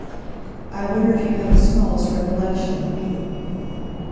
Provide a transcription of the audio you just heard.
I wonder if you have the smallest recollection of me?